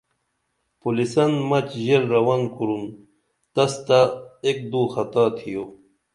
پُولِسن مچ ژیل رون کُرِن تستہ ایک دو خطا تِھیو